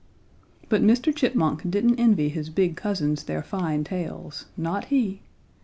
But Mr. Chipmunk didn't envy his big cousins their fine tails; not he!